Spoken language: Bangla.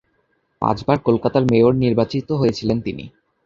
পাঁচবার কলকাতার মেয়র নির্বাচিত হয়েছিলেন তিনি।